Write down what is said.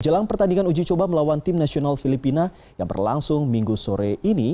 jelang pertandingan uji coba melawan tim nasional filipina yang berlangsung minggu sore ini